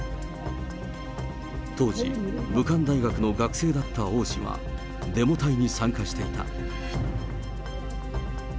当時、武漢大学の学生だった王氏は、デモ隊に参加していた。